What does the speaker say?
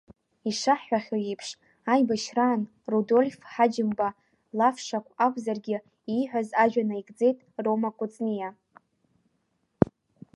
Ишаҳҳәахьоу еиԥш, аибашьраан Рудольф Ҳаџьымба лафшақә акәзаргьы ииҳәаз ажәа наигӡеит Рома Кәыҵниа.